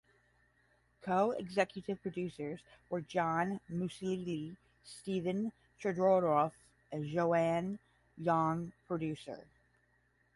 Co-Executive Producers were John Musilli, Stephen Chodorov; and JoAnn Young, Producer.